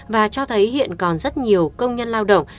và cho thấy hiện còn rất nhiều công nhân lao động